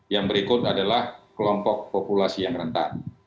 yang berikut adalah kelompok populasi yang rentan